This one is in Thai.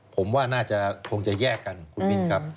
ผมว่าน่าจะคงจะแยกกันคุณมินครับ